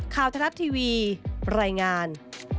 ข่าวทรัพย์ทีวีรายงาน